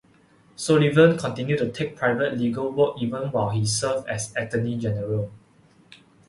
Sullivan continued to take private legal work even while he served as attorney general.